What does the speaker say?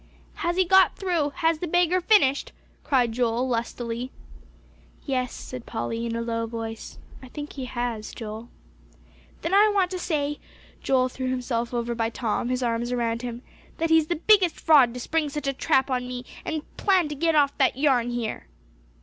"Has he got through? has the beggar finished?" cried Joel lustily. "Yes," said Polly, in a low voice, "I think he has, Joel." "Then I want to say" Joel threw himself over by Tom, his arms around him "that he's the biggest fraud to spring such a trap on me, and plan to get off that yarn here."